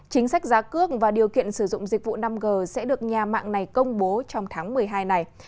chính sách giá cước và điều kiện sử dụng dịch vụ năm g sẽ được nhà mạng này công bố trong tháng một mươi hai này